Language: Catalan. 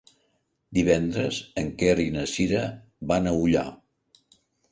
Divendres en Quer i na Sira van a Ullà.